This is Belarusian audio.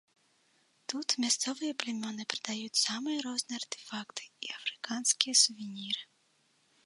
Тут мясцовыя плямёны прадаюць самыя розныя артэфакты і афрыканскія сувеніры.